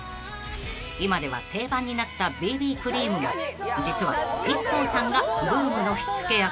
［今では定番になったＢＢクリームも実はＩＫＫＯさんがブームの火付け役］